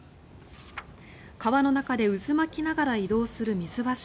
川の中で渦巻きながら移動する水柱。